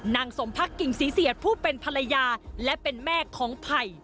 นางสมพักกิ่งศรีเสียดผู้เป็นภรรยาและเป็นแม่ของไผ่